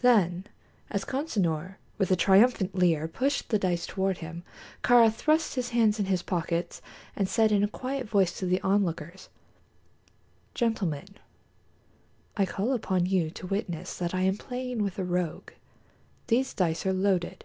Then, as Consinor, with a triumphant leer, pushed the dice toward him, Kāra thrust his hands in his pockets and said in a quiet voice to the onlookers: "Gentlemen, I call upon you to witness that I am playing with a rogue. These dice are loaded."